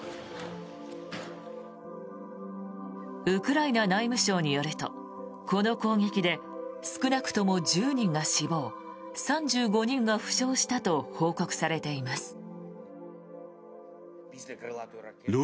ウクライナ内務省によるとこの攻撃で少なくとも１０人が死亡３５人が負傷したと報告されています。